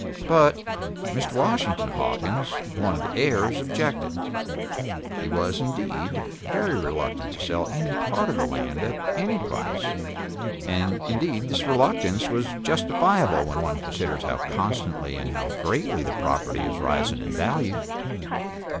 But Mr. Washington Hawkins (one of the heirs) objected. He was, indeed, very reluctant to sell any part of the land at any price; and indeed this reluctance was justifiable when one considers how constantly and how greatly the property is rising in value.